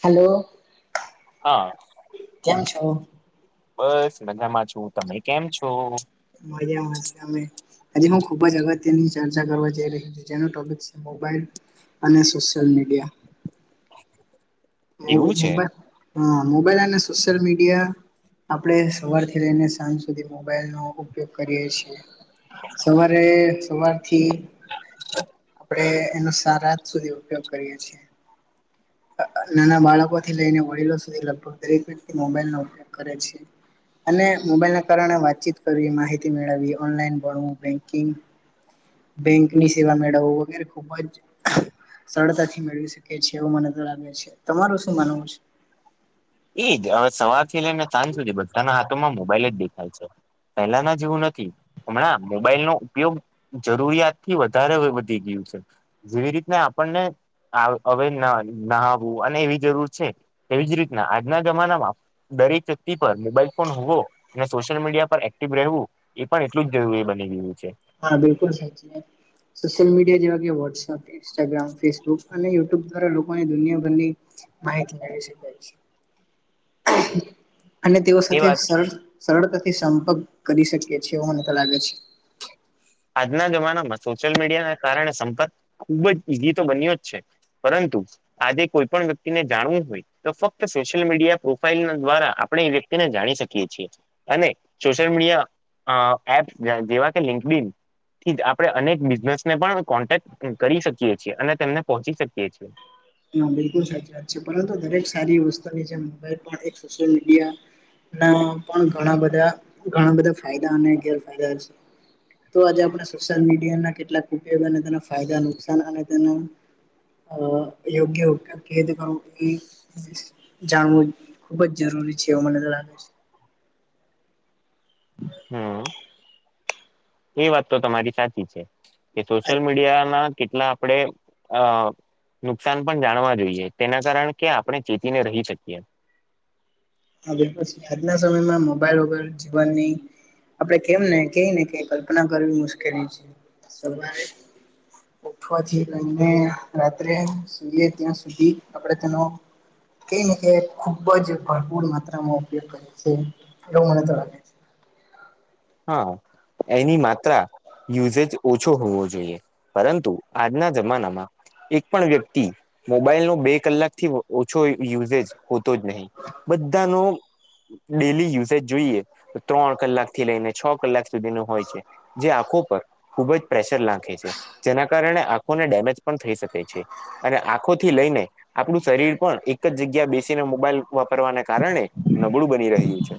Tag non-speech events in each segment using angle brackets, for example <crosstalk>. હાલો હા કેમ છો? બસ મજામાં છું તમે કેમ છો? મજામાં છે અમે આજે હું ખુબ જ અગત્યની ચર્ચા કરવા જઈ રહ્યો છે, જેનો ટોપિક છે, મોબાઈલ અને સોશિયલ મીડિયા મો એવું મોબા છે મોબાઈલ હા મોબાઈલ અને સોશિલ મીડિયા આપણે સવારથી લઈને સાંજ સુધી મોબાઈલનો ઉપયોગ કરીએ છીએ. સવારે સવારથી આપડે એનો સા રાત સુધી ઉપયોગ કરીએ છીએ. નાના બાળકોથી લઈને વડીલો સુધી લગભગ દરેક વ્યક્તિ મોબાઈલનો ઉપયોગ કરે છે. અને મોબાઈલના કારણે વાતચીત કરવી માહિતી મેળવી ઓનલાઈન ભણવુ બેકીંગ બેંકની સેવા મેળવું વગેરે ખુબ જ સરળતાથી મેળવી શકે છે, એવું મને તો લાગે છે, તમારું શું માનવું છે? એજ હવે સવારથી લયને સાજ સુધી બધાના હાથમાં મોબાઈલ જ દેખાય છે. પહેલાના જેવું નથી હમણાં મોબાઈલનો ઉપયોગ જરૂરિયાત થી વધારે વધી ગયું. જેવી રીતને આપણને આ અવે ના નાહાવું અને એવી જરૂર છે, એવીજ રી ના આજના જમાનામાં દરેક વ્યક્તિ પર મોબાઈલ ફોન હોવો અને સોશિયલ મીડિયા પર એક્ટિવ રહેવું એ પણ એટલું જ જરૂરી બની ગયું છે. હા બિલકુલ સાચી છે, સોશિયલ મીડિયા જેવા કે વોટ્સઅપ, ઇન્સ્ટાગ્રામ, ફેસબુક અને યુટ્યુબ દ્વારા લો કોને દુનિયાભરની માહિતી લઈ શકાય છે. અને તેઓ એ સાથે વાત સર સરળતાથી સંપર્ક કરી શકી છીએ મને તો લાગે છે. આજના જમાનામાં સોશિયલ મીડિયાના કારણે સંપર્ક ખુબ જ ઈઝી તો બન્યો જ છે પરંતુ આજેય કોઈપણ વ્યક્તિને જાણવું હોય તો ફક્ત સોશિયલ મીડિયા પ્રોફાઈલ દ્વારા આપણે એને તેને જાણી શકીએ છીએ અને સોશિયલ મીડિયા એપ જેવા કે લિંક થી જ આપણે અનેક બિઝનેસને પણ કોન્ટેક્ટ કરી શકીયે છીએ અને તેમને પહોંચી શકીએ છીએ. હ બિલકુલ સાચી વાત છે પરંતુ દરેક સારી વસ્તુની જે મોબાઈલ પણ એક સોશિયલ મીડિયા ના પણ ઘણા બધા ઘણા બધા ફાયદા અને ગેરફાયદા છે. તો આજે આપણે સોશિયલ મીડિયાના કેટલાક ઉપયોગ અને તેનો ફાયદા નુકસાન અને તેના અ યોગ્ય ઉપયોગ કેવી રીતે કરવું એ જાણવું ખુબ જ જરૂરી છે એવ મને લાગે છે. <inaudible> હમ એ વાત તો તમારી સાચી છે. કે સોશિયલ મીડિયાના કેટલા આપડે અ નુકસાન પણ જાણવા જોઈએ તેના કારણે કે આપણે ચેતીને રહી શકીએ. હવે પછી આજના સમયમાં મોબાઈલ વગર જીવનની આપડે કેમ ને કઈ ને કઈ કલ્પના કરવી મુશ્કેલી છે સવારે ઉઠવાથી લઈને રાત્રે સુઈએ ત્યાં સુધી આપણે તેનો કઈ ને એ ખુબ જ પણ માત્રા ઉપયોગ કરે છે એવ મને તો લાગે છે. હા એની માત્રા યુઝજ ઓછો હોવો જોઈએ પરંતુ આજના જમાનામાં એક પણ વ્યક્તિ મોબાઈલ નો બે કલાક થી ઓછો યુઝેશ હોતો જ નહી બધાનો ડેલી યુઝજ જોઈએ ત્રણ કલાક થી લઈને છ કલાક સુધીનો હોય છે જે આંખો પર ખુબ જ પ્રેશર નાંખે છે જેના કારણે આંખો ડેમેજ પણ થઈ શકે છે અને આંખોથી લઈને આપણું શરીર પણ એક જ જગ્યા બેસીને મોબાઈલ વાપરવાને કારણે નબળું બની રહ્યું છે.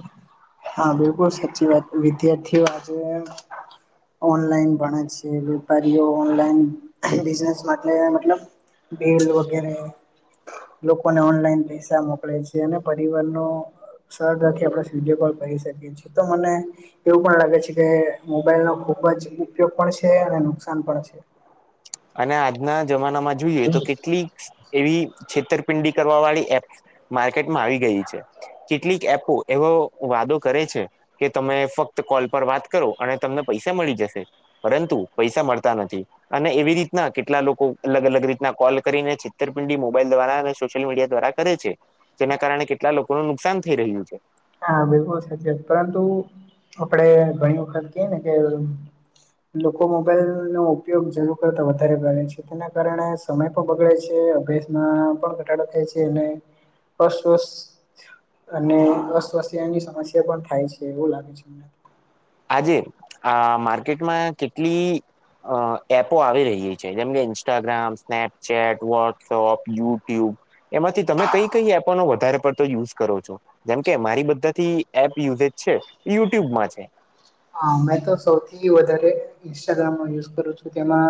હા બિલકુલ સાચી વાત વિદ્યાર્થીઓ આજે ઓનલાઈન ભણે છે વેપારીઓ ઓનલાઈન‌ બિઝનેસ માટે મતલબ બિલ વગેરે લોકોને ઓનલાઈન પૈસા મોકલે છે અને પરિવાર નો પછી આપ વિડીયો કોલ કરી શકીએ છીએ તો મને એવું પણ લાગે છે કે મોબાઈલ નો ખુબ જ ઉપયોગ પણ છે અને નુકસાન પણ છે. અને આજના જમાનામાં જોઈએ તો કેટલીક એવી છેતરપિંડી કરવા વાળી એપ માર્કેટમાં આવી ગઈ છે. કેટલીક એપો એવો વાદો કરે છે કે તમે ફક્ત કોલ પર વાત કરો અને તમને પૈસા મળી જશે પરંતુ પૈસા મળતા નથી અને એવી રીત રિતના કેટલા લોકો અલગ અલગ રીતના કોલ કરીને છેતરપિંડી મોબાઈલ દ્વારા અને સોશિયલ મીડિયા દ્વારા કરે છે. જેના કારણે કેટલા લોકોને નુકસાન થઈ રહ્યું છે. હા બિલકુલ સાચી વાત પરંતુ આપડે ઘણી વખત કે ને કે લોકો મોબાઈલ નો ઉપયોગ જરૂર કર વધારે નભે છે તેના કારણે સમય પણ બગડે છે અભ્યાસમાં પણ ઘટાડો થાય છે અને અસ્વસ્થ અને અસ તોસેન ની સમસ્યા પણ થાય છે એવું લાગે છે મને આજે આ માર્કેટમાં કેટલી અ એપો આવી રહી છે જેમ કે ઇન્સ્ટાગ્રામ સ્નેપચેટ વોટ્સઅપ યુટ્યુબ એમાંથી તમે કઈ કઈ એપો નો વધારે પડતો યુઝ કરો છો જેમ કે મારી બધાથી એપ યુઝજ છે યુટ્યુબમાં છે. હું મે તો સૌથી વધારે ઇન્સ્ટાગ્રામ નો યુ કરું છું તે માં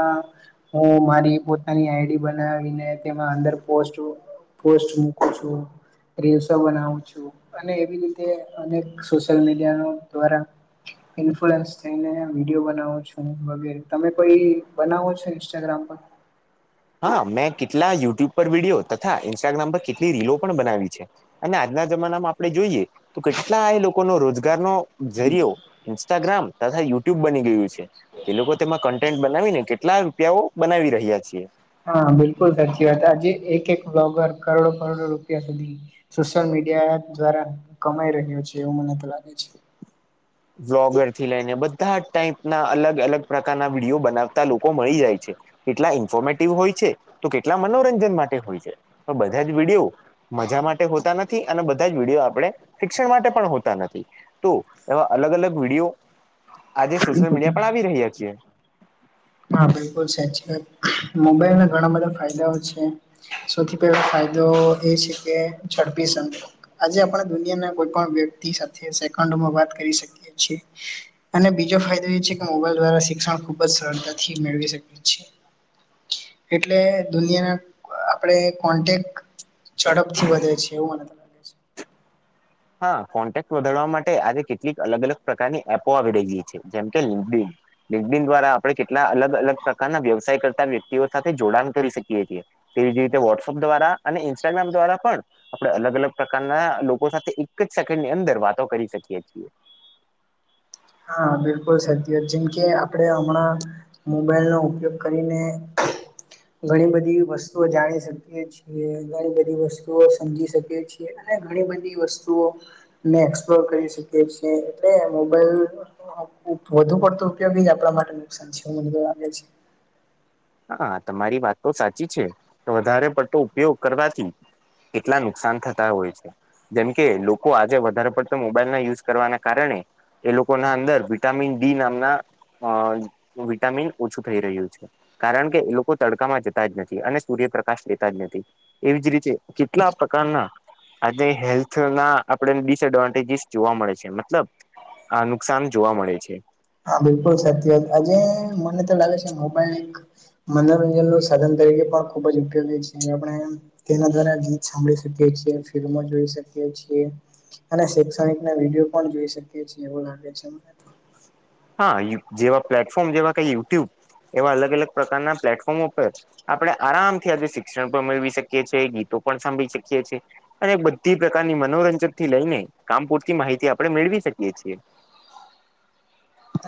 હું મારી. પોતાની આઈડી બનાવીને તેમાં અંદર પોસ્ટ મુકું છું. રીલસો બનાવું છું અને એવી રીતે અનેક સોશિયલ મીડિયા દ્વારા. ઇન્ફલુઅન્સ થઈને વિડીયો બનાવો છું વગેરે તમે કોઈ બનાવો છો ઇન્સ્ટાગ્રામ પર હું. હા મેં કેટલા યુટ્યુબ પર વિડીયો તથા ઇન્સ્ટાગ્રામ પર કેટલી રીલો પણ બનાવી છે અને ના જમાનામાં આપણે જોઈએ તો કેટલા એ લોકોનો રોજગારનો જરિયો ઈન્સ્ટાગ્રામ પર. યુટ્યુબ બની ગયું છે તે લોકો તેમાં કન્ટેન્ટ બનાવીને કેટલા રૂપિયાઓ બનાવી રહ્યા છે. હા બિલકુલ સાચી વાત આજે એક એક બ્લોગર કરોડો- કરોડો રૂપિયા સુધી સોશિયલ મીડિયા વિદ્વારા કમાઈ રહ્યો છે એવું મને તો લાગે છે. વ્લોગર થી લઈને બધા જ ટાઈપના અલગ -અલગ પ્રકારના વિડીયો બનાવતા લોકો મળી જાય છે. કેટલા ઇન્ફોમેટિવ હોય છે તો કેટલા મનોરંજન માટે હોય છે તો બધા જ વિડીયો મજા માટે હોતા નથી અને બધા જ વિડીયો આપણે ફિક્ષન માટે પણ હોતા નથી તો એમાં અલગ -અલગ વિડીયો. આજે સોશિયલ મીડિયા પર આવી રહ્યા છીએ હા બિલકુલ, સાચી વાત મોબાઈલમાં ઘણા બધા ફાયદાઓ છે, સૌથી પહેલો ફાયદો એ છે કે ઝડપી સંપર્ક. આજે આપણા દુનિયાના કોઈ પણ વ્યક્તિ સાથે સેકન્ડમાં વાત કરી શકીએ છીએ. અને બીજા જે ફાયદા છે કે મોબાઈલ દ્વારા શિક્ષણ ખુબ જ સરળતાથી મેળવી શકે છે. એટલે દુનિયાના આપણેે કોન્ટેક. ઝડપ થી વધે છે, એવું મને લાગે છે. હા કોન્ટેક્ટ વધારવા માટે આજે કેટલીક અલગ- અલગ પ્રકારની એપો આવી રહી ગઈ છે, જેમ કે લિંક ડિન. બેબિન દ્વારા આપણે કેટલા અલગ- અલગ પ્રકારના વ્યવસાય કરતા વ્યક્તિઓ સાથે જોડાણ કરી શકીએ છીએ. તેવી જ રીતે વોટ્સઅપ દ્વારા અને ઇન્સ્ટાગ્રામ દ્વારા પણ આપણે અલગ- અલગ પ્રકારના લોકો સાથે એક જ સેકન્ડ ની અંદર વાતો કરી શકીએ છીએ. હા બિલકુલ સત્ય જેમકે આપણે હમણાં મોબાઈલનો ઉપયોગ કરીને. ઘણી બધી વસ્તુઓ જાણી શકીએ છીએ ઘણી બધી વસ્તુઓ સમજી શકીએ છીએ. અને ઘણી બધી વસ્તુઓને એક્સપ્લોર કરી શકીએ છીએ એટલે મોબાઈલ, વધુ પડતો ઉપયોગી જ આપણા માટે નુકસાન છે મને તો લાગે છે. હા તમારી વાત તો સાચી છે તો વધારે પડતો ઉપયોગ કરવાથી. કેટલા નુકસાન થતા હોય છે. જેમ કે લોકો આજે વધારે પડતા મોબાઈલ ના યુઝ કરવાના કારણે. એ લોકો ના અંદર વિટામિન ડી નામના અ વિટામિન ઓછું થઈ રહ્યું છે. કારણ કે એ લોકો તડકામાં જતા જ નથી અને સૂર્યપ્રકાશ લેતા જ નથી એવી જ રીતે કેટલા પ્રકારના આે હેલ્થ ના આપણે ડિસએડવાન્ટેજીસ જોવા મળે છે મતલબ આ નુકસાન જોવા મળે છે. હા બિલકુલ સાચી વાત આજે મને તો લાગે છે મોબાઈલ એક મનોરંજન નું સાધન તરીકે પણ ખુબ જ ઉપયોગી છે આપણે તેના દ્વારા ગીત સાંભળી શકીએ. એક્સ રે મો અને શૈક્ષણિક ના વિડીયો પણ જોઈ શકીએ છીએ એવું લાગે. પ <inaudible> હા જેવા પ્લેટફોર્મ જેવા કઈ યુટ્યુબ એવા અલગ- અલગ પ્રકારના પ્લેટફોર્મ ઉપર આપણે આરામથી આજે શિક્ષણ પણ મેળવી શકીએ છીએ ગીતો સાંભળી શકીએ છીએ ‌ અને બધી પ્રકારની મનોરંજન થી લઈને કામ પૂરતી માહિતી આપણે મેળવી. શકીએ છીએ.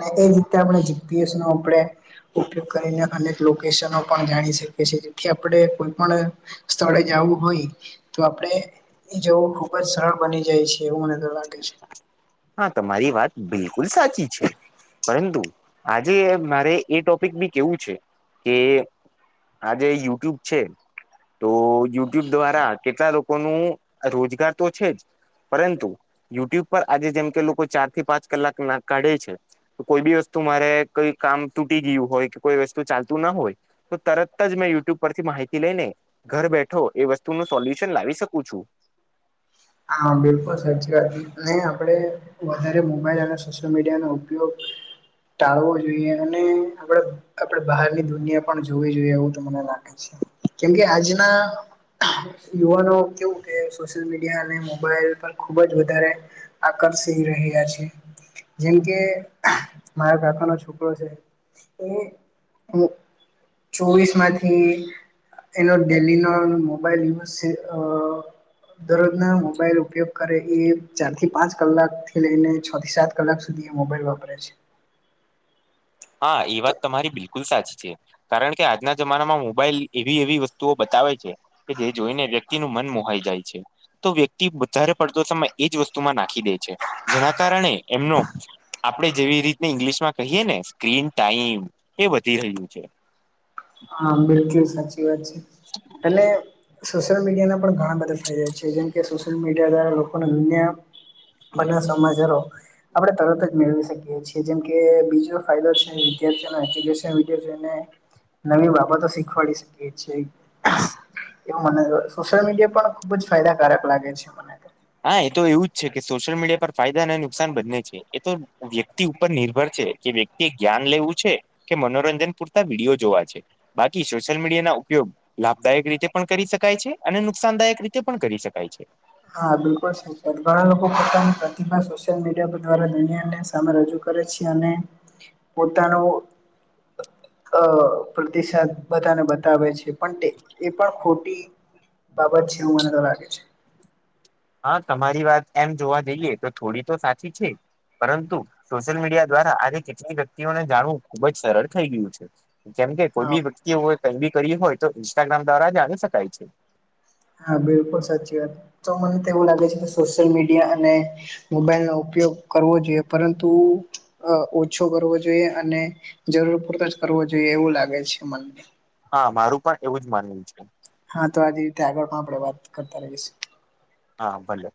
અને એ રીતે આપણે જીપીએસ નું આપડે ઉપયોગ કરીને અને લોકેશનો પણ જાણી શકી જેથી આપણે કોઈ પણ સ્થળે. આવું હોય તો આપણે એ જવું ખુબ જ સરળ બની જાય છે એવું મને તો લાગે છે. હા તમારી વાત બિલકુલ સાચી છે. પરંતુ આજે મારે એ ટોપિક બી કેવું છે કે આજે યુટ્યુબ છે. તો યુટ્યુબ દ્વારા કેટલા લોકો નૂ રોજગાર તો છે જ પરંતુ યુટ્યુબ પર આજે જેમ કે લોકો ચાર થી પાંચ કલાક ના કાઢે છે કોઈ બી વસ્તુ મારે કઈ કામ તૂટી ગીઉ હોય કોઈ વસ્તુ ચાલતું ના હોય તો તરત જ મેં યુટ્યુબ પરથી માહિતી લઈને ઘર બેઠો એ વસ્તુ નું સોલ્યુશન લાવી શકું છું <inaudible> હા બિલકુલ સાચી વાત નઈ આપણે વધારે મોબાઈલ અને સોશિયલ મીડિયાનો ઉપયોગ ટાળવો જોઈએ અને આપડે આપડે બહારની દુનિયા પણ જોવી જોઈએ એવું તો મને લાગે છે કેમકે આજના યુવાનો કેવું કે સોશિયલ મીડિયા ને મોબાઈલ પણ ખુબ જ વધારે આકષી રહ્યા છે જેમ કે મારા કાકાનો છોકરો છે એ અમુક ચોવીસ માંથી એનો ડેલીનો મોબાઈલ યુઝ છે અહ દરોજ ના મોબાઈલ ઉપયોગ કરે એ ચાર થી પાંચ કલાક થી લઈને છ થી સાત કલાક સુધી એ મોબાઈલ વા વાપરે છે હા ઈ વાત તમારી બિલકુલ સાચી છે કારણ કે આજના જમાનામાં મોબાઈલ એવી એવી વસ્તુઓ બતાવે છે કે જે જોઈને વ્યક્તિનું મન મો હાય જા છે તો વ્યક્તિ વધારે પડતો સમય એજ વસ્તુમાં નાખી દે છે જેના કારણે એમનો આપડે જેવી રીતને ઈંગ્લિશ માં કહીએે ને <unintelligible> ટાઈમ એ વધી રહ્યું છે <unintelligible> અને સોશિયલ મીડિયાના પણ ઘણા બધા ફાયદા છે જેમ કે સોશિયલ મીડિયા દ્વારા લોકોને દુનિયા બન્ના સમાચારો આપડે તરત જ મેળવી શકીએ છીએ જેમ કે બીજો ફાયદો છે <inaudible> એપ્લિકેશન કે જેને નવી બાબતો શીખવાડી શકીએ છીએ <inaudible> એવું મને સોશિયલ મીડિયા પણ ખુબ જ ફાયદાકારક લાગે છે મનેતો હા એ તો એવું જ છે કે સોશિયલ મીડિયા પર ફાયદા અને નુકસાન બંને છે એ તો વ્યક્તિ ઉપર નિર્ભર છે કે વ્યક્તિ જ્ઞાન લેવું છે કે મનોરંજન પૂરતા વિડીયો જોવા છે બાકી સોશિયલ મીડિયા ના ઉપયોગ લાભદાયક રીતે પણ કરી શકાય છે અને નુકસાનદાયક રીતે પણ કરી શકાય છે. હા બિલકુલ <inaudible> ઘણા લોકો પોતાની પ્રતિભા સોશિયલ મીડિયા પર દ્વારા દુનિયાને સામે રજૂ કરે છે અને પોતાનો અહ પ્રતિસાદ બધાને બતાવે છે પણ તે એ પણ ખોટી <unintelligible> છે મને તો લાગે છે. હા તમારી વાત એમ જોવા જઈએ તો થોડી તો સાચી છે પરંતુ સોશિયલ મીડિયા દ્વારા આજે કેટલીક વ્યક્તિઓને જાણવું ખુબ જ સરળ થઈ ગયું છે. જેમ કે કોઈ હા બી વ્યક્તિ હોય કઈ બી કરીએ હોય તો ઇન્સ્ટાગ્રામ દ્વારા જાણી શકાય છે. હા બિલકુલ સાચી વાત તો મને તો એવું લાગે છે કે સોશિયલ મીડિયા અને મોબાઈલ નો ઉ ઉપયોગ કરવો જોઈએ પરંતુ અહ ઓછો કરવો જોઈએ અને જરૂર પૂરતા જ કર વું જોઈએ એવું લાગે છે મને. હા મારું પણ એવું જ માનવું છે. હા તો આજ રીતે આગળ પણ આપણે વાત કરતા રહીશું હા ભલે.